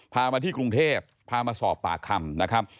พามาที่กรุงเทพฯพามาสอบปากคำ